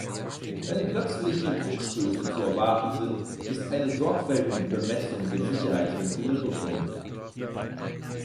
Wenn plötzliche Druckstöße zu erwarten sind, ist eine sorgfältige Bemessung der Sicherheitsventile notwendig.